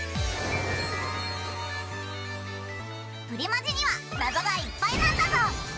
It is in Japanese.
プリマジにはナゾがいっぱいなんだぞ。